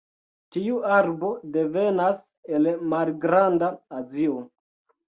Tiu arbo devenas el Malgrand-Azio.